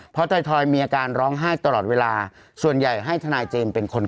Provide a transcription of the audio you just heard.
เพราะถอยมีอาการร้องไห้ตลอดเวลาส่วนใหญ่ให้ทนายเจมส์เป็นคน